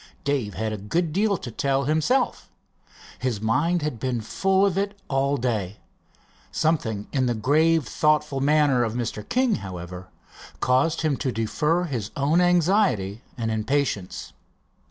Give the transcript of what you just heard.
Dave had a good deal to tell himself. His mind had been full of it all day. Something in the grave, thoughtful manner of Mr. King, however, caused him to defer his own anxiety and impatience.